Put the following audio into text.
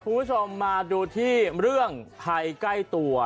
คุณผู้ชมมาดูที่เรื่องภัยใกล้ตัว